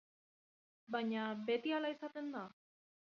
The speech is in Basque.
Baina beti hala izaten da?